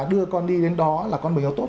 đưa con đi đến đó là con mình nó tốt